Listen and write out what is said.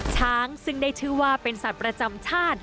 ช้างซึ่งได้ชื่อว่าเป็นสัตว์ประจำชาติ